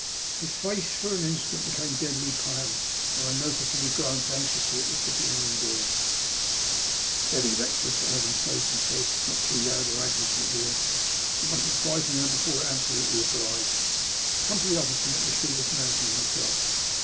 His face, for an instant, became deadly pale, and I noticed that he glanced anxiously at the sitting room door. Steady, Wrexford, for heaven's sake," he said. "Not too loud, or Agnes will hear. We musn't frighten her before we are absolutely obliged. Come to the ofHce and let me see this man for myself."